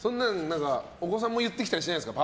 お子さんも言ってきたりしないですか？